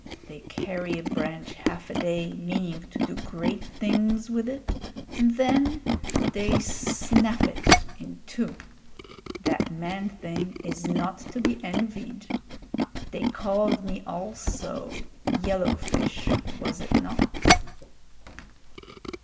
They carry a branch half a day, meaning to do great things with it, and then they snap it in two. That man thing is not to be envied. They called me also `yellow fish' was it not?"